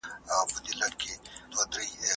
ړوند سړی به د ږیري سره ډېري مڼې خوري.